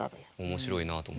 面白いなと。